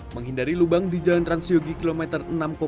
menghindari lubang di jalan transyogi kilometer enam tujuh